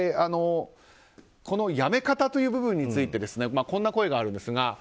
この辞め方という部分についてこんな声があります。